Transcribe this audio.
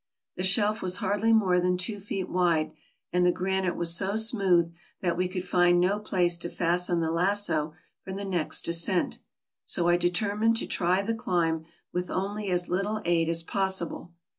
The shelf was hardly more than two feet wide, and the granite so smooth that we could find no place to fasten the lasso for the next descent; so I determined to try the climb with only as little aid as possible.